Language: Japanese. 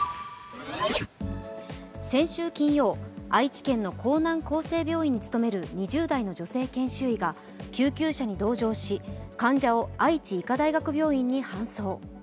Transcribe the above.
先週金曜、愛知県の江南厚生病院に勤める２０代の女性研修医が救急車に同乗し、患者を愛知医科大学病院に搬送。